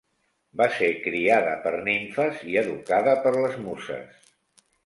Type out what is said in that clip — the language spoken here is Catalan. Va ser criada per nimfes i educada per les Muses.